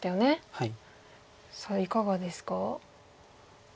はい。